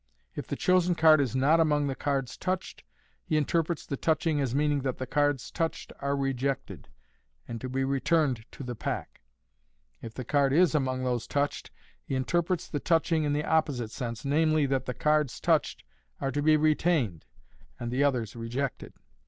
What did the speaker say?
If the chosen card is not among the cards touched, he interprets the touching as meaning that the cards touched are rejected, and to be returned to the pack. If the card is among those touched, he interprets the touching in the opposite sense,— namely, that the cards touched are to be retained, and the others rejected.